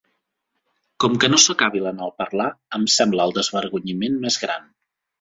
Com que no sóc hàbil en el parlar, em sembla el desvergonyiment més gran.